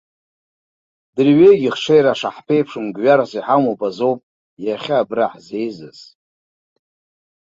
Дырҩегьых ҽеира шаҳԥеиԥшым гәҩарас иҳамоуп азоуп иахьа абра ҳзеизаз.